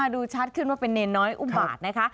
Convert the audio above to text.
ดูชัดขึ้นว่าเป็นเนรน้อยอุบาตนะคะ